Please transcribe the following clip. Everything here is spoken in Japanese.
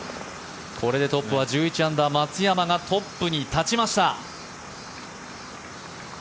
これでトップは１１アンダー松山がトップに立ちました。